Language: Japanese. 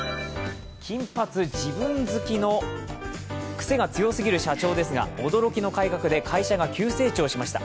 金髪、自分好きのクセが強すぎる社長ですが驚きの改革で会社が急成長しました。